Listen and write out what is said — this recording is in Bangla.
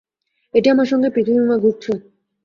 এটি আমার সঙ্গে পৃথিবীময় ঘুরছে।